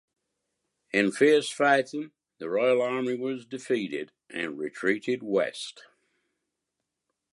In fierce fighting, the royal army was defeated and retreated west.